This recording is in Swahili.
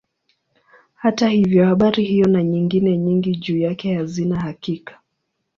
Hata hivyo habari hiyo na nyingine nyingi juu yake hazina hakika.